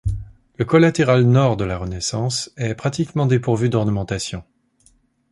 Le collatéral nord de la Renaissance est pratiquement dépourvue d'ornementation.